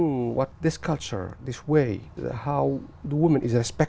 tôi rất thích khi được gặp và nói thêm về hnu